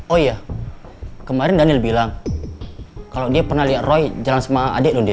oh iya kemarin daniel bilang kalau dia pernah lihat roy jalan sama adik loh dia